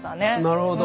なるほど。